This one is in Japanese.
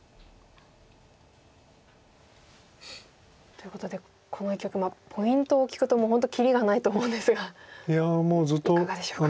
ということでこの一局ポイントを聞くともう本当にきりがないと思うんですがいかがでしょうか？